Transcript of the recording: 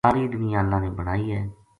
ساری دنیا اللہ نے بنائی ہے۔